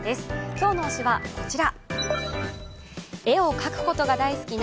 今日の推しはこちら。